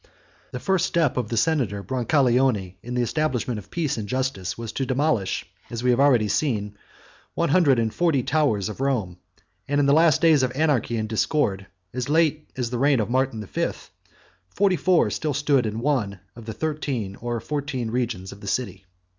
The first step of the senator Brancaleone in the establishment of peace and justice, was to demolish (as we have already seen) one hundred and forty of the towers of Rome; and, in the last days of anarchy and discord, as late as the reign of Martin the Fifth, forty four still stood in one of the thirteen or fourteen regions of the city.